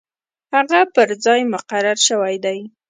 هغه پر ځای مقرر شوی دی.